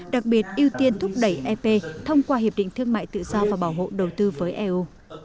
đặc biệt ưu tiên thúc đẩy ep thông qua hiệp định thương mại tự do và bảo hộ đầu tư với eu